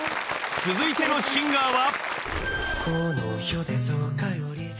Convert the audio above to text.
続いてのシンガーは。